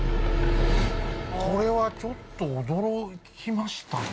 これはちょっと驚きましたね。